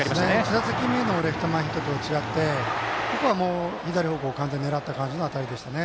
１打席目のレフト前ヒットとは違ってここは左方向に狙った感じの当たりでした。